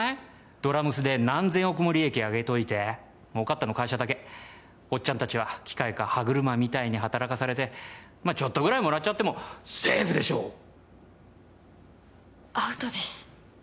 「ドラ娘」で何千億も利益上げといて儲かったの会社だけおっちゃん達は機械か歯車みたいに働かされてまちょっとぐらいもらっちゃってもセーフでしょアウトです